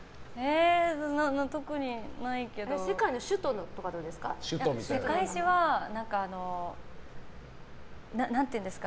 世界の首都とかはどうですか？